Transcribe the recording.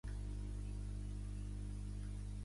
Aquestes flors finalment s'han reunit, formant el ciati.